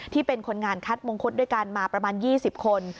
เป็นคนงานคัดมงคุดด้วยกันมาประมาณ๒๐คน